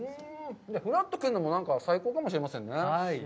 ふらっと来るのもなんか最高かもしれませんね。